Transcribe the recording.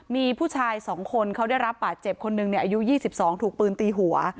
มีผู้ชาย๒คนเขาได้รับบาดเจ็บคนหนึ่งอายุ๒๒ถูกปืนตีหัว